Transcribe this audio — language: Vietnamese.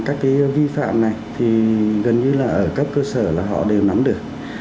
các cái vi phạm này thì gần như là ở cấp cơ sở là họ đều nắm được